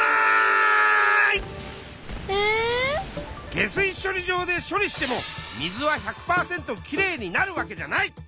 下水処理場で処理しても水は１００％キレイになるわけじゃない！